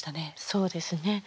そうですね。